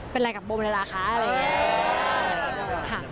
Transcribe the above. เป็นไรกับบมเวลาคะอะไรอย่างนี้